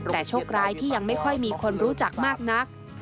แต่โชคร้ายที่ยังไม่ค่อยมีคนรู้จักมากนัก